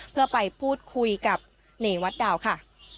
เพื่อไปพูดคุยกับเนวัดดาวค่ะ